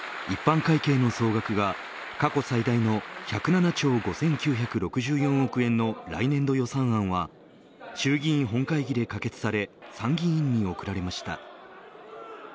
一般会計の総額が過去最大の１０７兆５９６４億円の来年度予算案は衆議院本会議で可決され参議院に送られました。